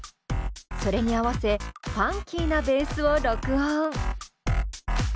それに合わせファンキーなベースを録音。